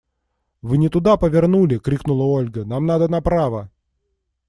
– Вы не туда повернули, – крикнула Ольга, – нам надо направо!